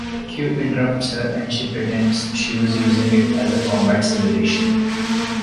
Q interrupts her, and she pretends she was using it as a combat simulation.